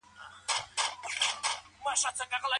دا سیمي زموږ د نیکونو وې.